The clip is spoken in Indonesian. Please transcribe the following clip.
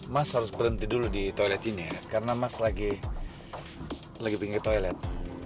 mas harus berhenti dulu di toilet ini ya karena mas lagi pinggir toilet